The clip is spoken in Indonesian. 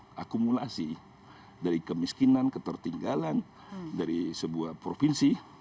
potret dari akumulasi dari kemiskinan ketertinggalan dari sebuah provinsi